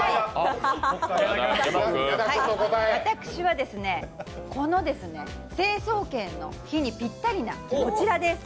私はこの成層圏の日にぴったりなこちらです。